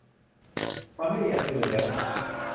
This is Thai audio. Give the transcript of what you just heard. มันไม่มีอันอื่นแล้ว